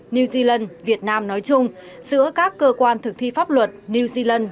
new zealand việt nam nói chung giữa các cơ quan thực thi pháp luật new zealand